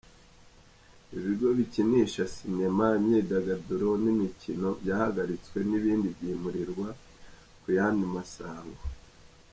Ibigo bikinisha cinema, imyidagaduro n’inkino vyahagaritswe ibindi vyimurirwa ku yandi masango.